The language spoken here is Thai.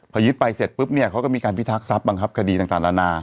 พอยึดไปเสร็จปุ๊บเนี่ยเขาก็มีการพิทักษัพบังคับคดีต่างนานา